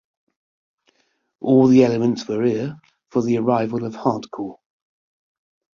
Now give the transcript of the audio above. All the elements were here for the arrival of hardcore.